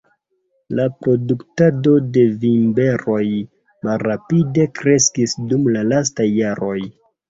La produktado de vinberoj malrapide kreskis dum la lastaj jaroj.